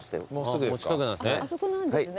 近くなんですね。